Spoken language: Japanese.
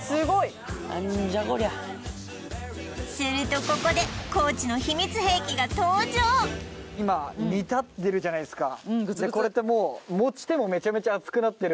すごいするとここで今煮立ってるじゃないですか